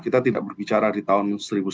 kita tidak berbicara di tahun seribu sembilan ratus